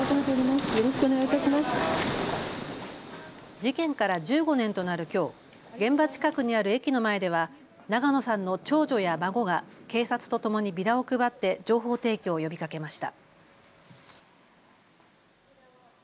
事件から１５年となるきょう、現場近くにある駅の前では永野さんの長女や孫が警察とともにビラを配って情報提供を呼びかけました。